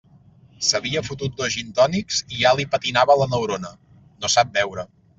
S'havia fotut dos gintònics i ja li patinava la neurona; no sap beure.